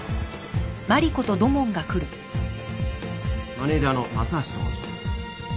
マネジャーの松橋と申します。